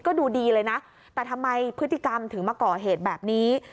ก็ดูดีเลยนะแต่ทำไมพฤติกรรมถึงมาก่อเหตุแบบนี้